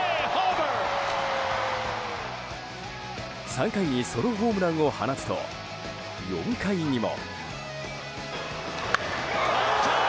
３回にソロホームランを放つと４回にも。